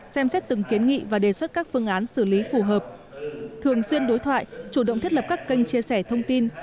xem xét từng kiến nghị và đề xuất các phương án xử lý phù hợp thường xuyên đối thoại chủ động thiết lập các kênh chia sẻ thông tin